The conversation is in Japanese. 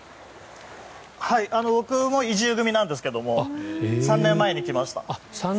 僕も移住組なんですけど３年前に来ました。